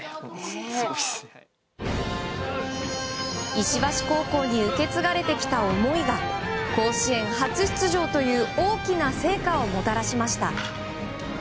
石橋高校に受け継がれてきた思いが甲子園初出場という大きな成果をもたらしました。